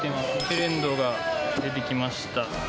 ヘレンドが出てきました。